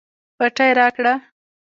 پټۍ راکړه